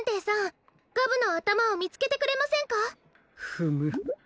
フム。